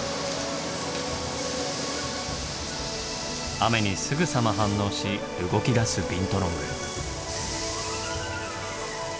雨にすぐさま反応し動きだすビントロング。